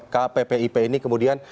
kppip ini kemudian